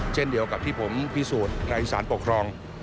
เช่นเดียวกับที่ผมพิสูจน์ในสารปกครอง